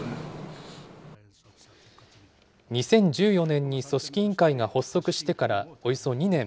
２０１４年に組織委員会が発足してからおよそ２年。